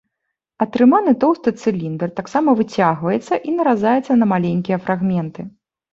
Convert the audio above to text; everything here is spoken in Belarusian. Атрыманы тоўсты цыліндр таксама выцягваецца і наразаецца на маленькія фрагменты.